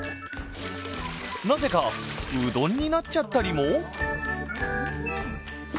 なぜかうどんになっちゃったりも？